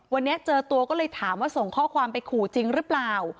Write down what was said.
วันนี้เจอตัวก็เลยถามว่าส่งข้อความไปขู่จริงหรือเปล่า